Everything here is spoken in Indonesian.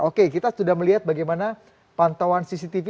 oke kita sudah melihat bagaimana pantauan cctv